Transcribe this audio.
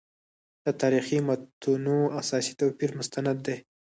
د تاریخي متونو اساسي توپیر مستند دی.